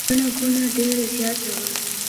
ګڼه ګوڼه ډېره زیاته وه.